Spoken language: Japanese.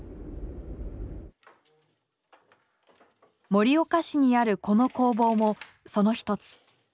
盛岡市にあるこの工房もその一つ。